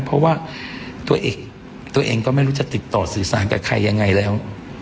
เพราะว่าตัวเองก็ไม่รู้จะติดต่อสื่อสารกับใครยังไงแล้ว